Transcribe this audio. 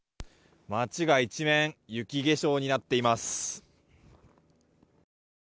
街が一面、雪化粧になっています。